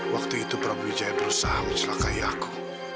waktu itu prabu wijaya berusaha mencelakaya aku